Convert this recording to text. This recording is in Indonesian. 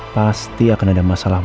pasti akan ada masalah